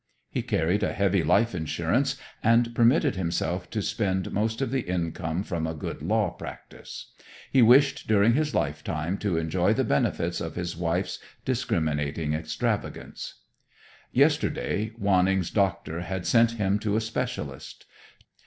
He carried a heavy life insurance and permitted himself to spend most of the income from a good law practise. He wished, during his life time, to enjoy the benefits of his wife's discriminating extravagance. Yesterday Wanning's doctor had sent him to a specialist.